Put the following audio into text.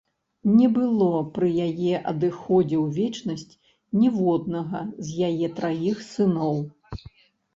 Не было пры яе адыходзе ў вечнасць ніводнага з яе траіх сыноў.